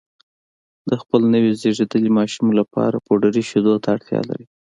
د خپل نوي زېږېدلي ماشوم لپاره پوډري شیدو ته اړتیا لري